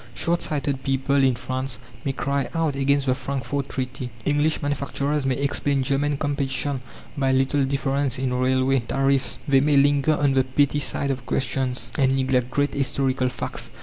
Shortsighted people in France may cry out against the Frankfort Treaty; English manufacturers may explain German competition by little differences in railway tariffs; they may linger on the petty side of questions, and neglect great historical facts.